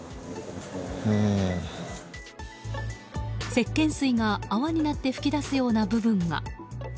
せっけん水が、泡になって噴き出すような部分が。